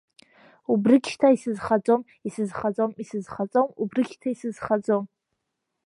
Убригь шьҭа исызхаӡом, исызхаӡом, исызхаӡом, убригь шьҭа исызхаӡом…